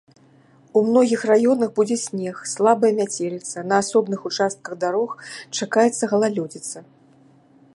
У многіх раёнах будзе снег, слабая мяцеліца, на асобных участках дарог чакаецца галалёдзіца.